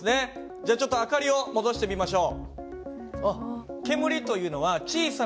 じゃあちょっと明かりを戻してみましょう。